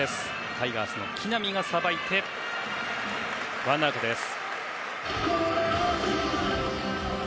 タイガースの木浪がさばいてワンアウトです。